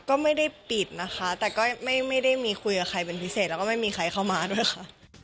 ก็ไม่ได้ปิดนะคะแต่ก็ไม่ได้มีคุยกับใครเป็นพิเศษแล้วก็ไม่มีใครเข้ามาด้วยค่ะ